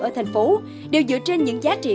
ở thành phố đều dựa trên những giá trị